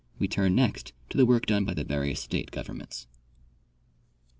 We turn next to the work done b}^ the various state governments.